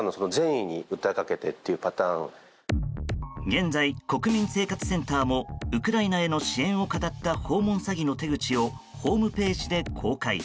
現在、国民生活センターもウクライナへの支援をかたった訪問詐欺の手口をホームページで公開。